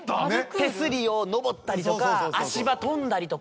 手すりを登ったりとか足場跳んだりとか。